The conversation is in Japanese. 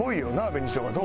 紅しょうがどう？